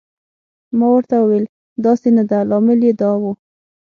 ما ورته وویل: داسې نه ده، لامل یې دا و.